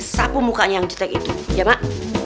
sepu mukanya yang cetek itu ya mak